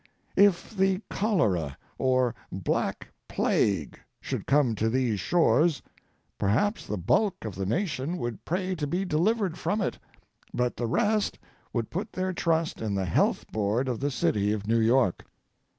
If the cholera or black plague should come to these shores, perhaps the bulk of the nation would pray to be delivered from it, but the rest would put their trust in the Health Board of the City of New York.